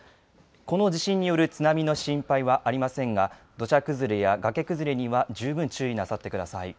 この地震による津波の心配はありませんが、土砂崩れやがけ崩れには、十分注意をなさってください。